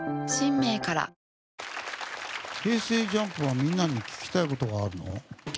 ＪＵＭＰはみんなに聞きたいことがあるの？